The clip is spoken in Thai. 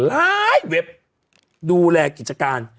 หลายเว็บดูแลกิจการ